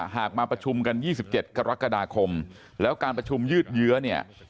มาประชุมกัน๒๗กรกฎาคมแล้วการประชุมยืดเยื้อเนี่ย